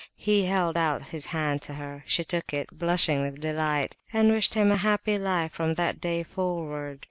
He held out his hand to her. She took it, blushing with delight, and wished him "a happy life from that day forward."